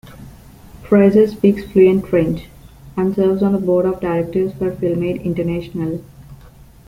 Fraser speaks fluent French, and serves on the board of directors for FilmAid International.